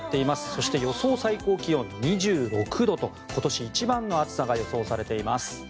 そして予想最高気温２６度と今年一番の暑さが予想されています。